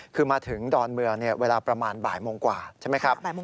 คือมาถึงดอนเมืองเวลาประมาณบ่ายโมงกว่าใช่ไหมครับ